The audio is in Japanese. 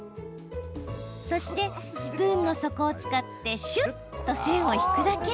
そして、スプーンの底を使ってしゅっと線を引くだけ。